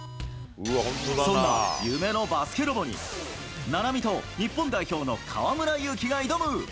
そんな夢のバスケロボに、菜波と日本代表の河村勇輝が挑む。